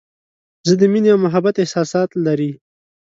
زه د مینې او محبت احساسات لري.